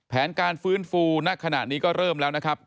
แผนการฟื้นฟูณขณะนี้ก็เริ่มแล้วนะครับ